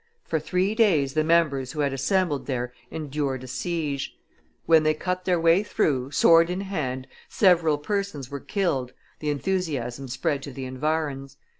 For three days the members who had assembled there endured a siege; when they cut their way through, sword in hand, several persons were killed the enthusiasm spread to the environs.